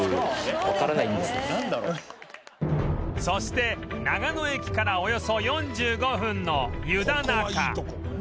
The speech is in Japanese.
そして長野駅からおよそ４５分の湯田中